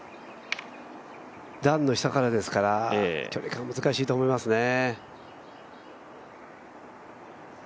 段の下からですから距離感難しいと思いますね。